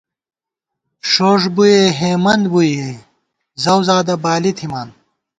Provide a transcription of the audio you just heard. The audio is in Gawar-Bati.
ݭوݭ بُوئےہېمند بُوئے ، زؤزادہ بالی تھِمان